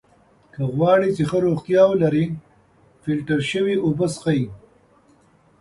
که غواړی چې ښه روغتیا ولری ! فلټر سوي اوبه څښئ!